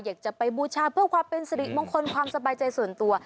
อยากจะไปบูชาเพื่อความเป็นสิริมงคลความสบายใจส่วนตัว